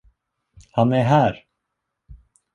Han är här!